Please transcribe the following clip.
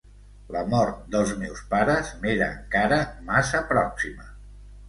La mort dels meus pares m'era encara massa pròxima.